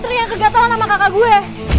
putri yang kegatelan sama kakak gue